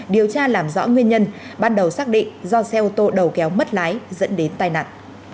điều tra làm rõ nguyên nhân ban đầu xác định do xe ô tô đầu kéo mất lái dẫn đến tai nạn